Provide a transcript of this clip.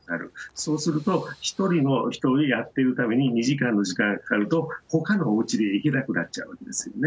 そうすると、１人の人にやってるために、２時間の時間がかかると、ほかのおうちでできなくなっちゃうんですよね。